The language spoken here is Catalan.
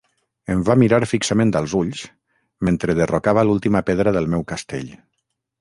Em va mirar fixament als ulls, mentre derrocava l'última pedra del meu castell...